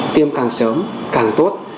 tiêm càng sớm càng tốt